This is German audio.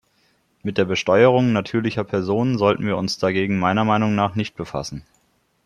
Mit der Besteuerung natürlicher Personen sollten wir uns dagegen meiner Meinung nach nicht befassen.